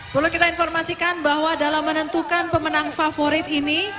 perlu kita informasikan bahwa dalam menentukan pemenang favorit ini